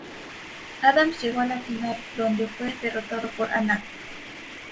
Adams llegó a la final donde fue derrotado por Anand.